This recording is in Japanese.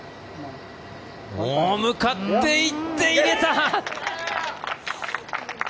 向かっていって入れた！